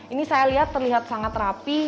ini saya lihat terlihat sangat rapi